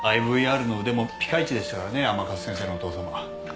ＩＶＲの腕もピカイチでしたからね甘春先生のお父さまは。